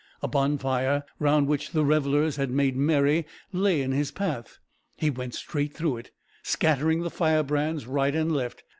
A bonfire, round which the revellers had made merry, lay in his path. He went straight through it, scattering the firebrands right and left.